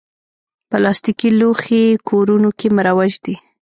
پلاستيکي لوښي کورونو کې مروج دي.